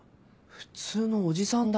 普通のおじさんだ。